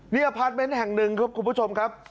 นี่อพาร์ทเมนต์แห่งหนึ่งครับคุณผู้ชมครับ